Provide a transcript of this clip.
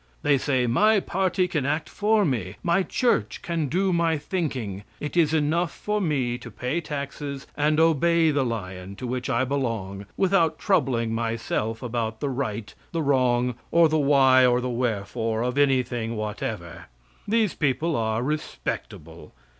They say, "My party can act for me my church can do my thinking. It is enough for me to pay taxes and obey the lion to which I belong without troubling myself about the right, the wrong, or the why or the wherefore of anything whatever." These people are respectable.